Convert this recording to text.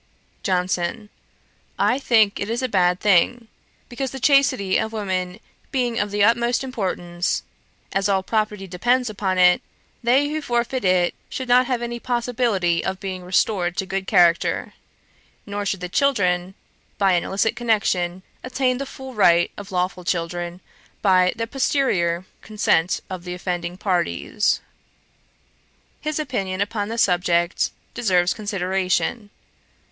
JOHNSON. 'I think it a bad thing; because the chastity of women being of the utmost importance, as all property depends upon it, they who forfeit it should not have any possibility of being restored to good character; nor should the children, by an illicit connection, attain the full right of lawful children, by the posteriour consent of the offending parties.' His opinion upon this subject deserves consideration.